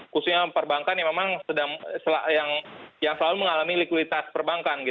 khususnya perbankan yang selalu mengalami likuiditas perbankan